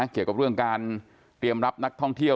เกี่ยวกับเรื่องการเตรียมรับนักท่องเที่ยว